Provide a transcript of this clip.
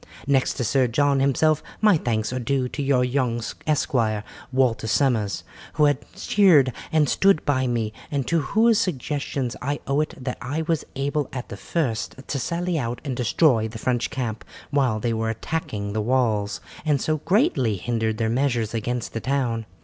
Next to Sir John himself, my thanks are due to your young esquire, Walter Somers, who has cheered and stood by me, and to whose suggestions I owe it that I was able at the first to sally out and destroy the French camp while they were attacking the walls, and so greatly hindered their measures against the town.